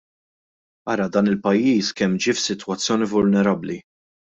Ara dan il-pajjiż kemm ġie f'sitwazzjoni vulnerabbli!